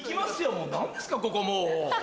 もう何ですかここもう。